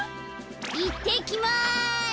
いってきます！